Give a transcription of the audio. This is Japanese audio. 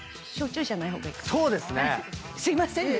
すいませんね。